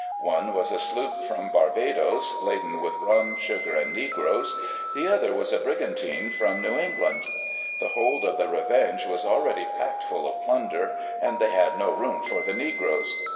One was a sloop from Barbadoes, laden with rum, sugar, and negroes. The other was a brigantine from New England. The hold of the Revenge was already packed full of plunder; and they had no room for the negroes.